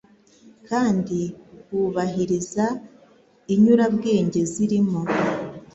kandi wubahiriza inyurabwenge zirimo